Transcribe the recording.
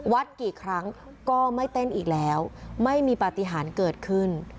กี่ครั้งก็ไม่เต้นอีกแล้วไม่มีปฏิหารเกิดขึ้น